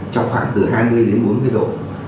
trong khoảng từ hai mươi đến bốn mươi độ